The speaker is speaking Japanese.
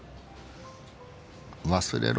忘れろ。